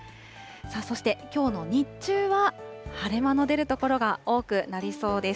そしてきょうの日中は晴れ間の出る所が多くなりそうです。